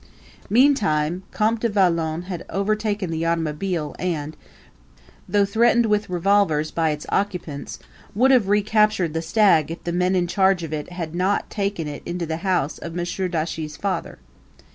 Meantime Comte de Valon had overtaken the automobile and, though threatened with revolvers by its occupants, would have recaptured the stag if the men in charge of it had not taken it into the house of M. Dauchis' father.